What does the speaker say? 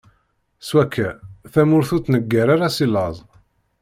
Swakka, tamurt ur tnegger ara si laẓ.